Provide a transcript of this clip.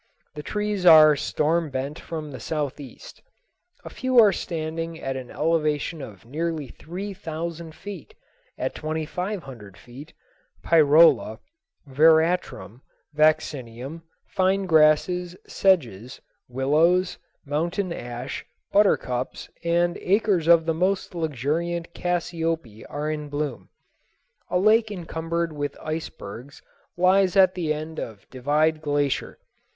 The trees are storm bent from the southeast. A few are standing at an elevation of nearly three thousand feet; at twenty five hundred feet, pyrola, veratrum, vaccinium, fine grasses, sedges, willows, mountain ash, buttercups, and acres of the most luxuriant cassiope are in bloom. A lake encumbered with icebergs lies at the end of Divide Glacier.